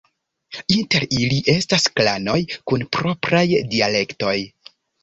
Inter ili estas klanoj kun propraj dialektoj.